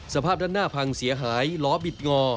สภาพด้านหน้าพังเสียหายล้อบิดงอ